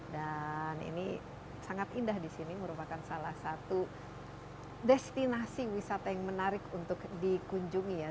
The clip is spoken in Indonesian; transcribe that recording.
dan ini sangat indah disini merupakan salah satu destinasi wisata yang menarik untuk dikunjungi ya